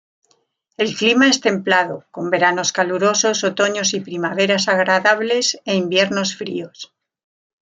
El clima es templado, con veranos calurosos, otoños y primaveras agradables e inviernos fríos.